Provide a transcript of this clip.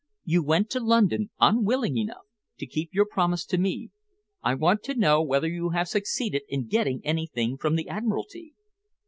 You went to London, unwillingly enough, to keep your promise to me. I want to know whether you have succeeded in getting anything from the Admiralty?"